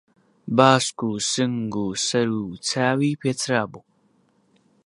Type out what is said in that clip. باسک و سنگ و سەر و چاوی پێچرابوو